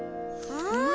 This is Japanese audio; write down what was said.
うん。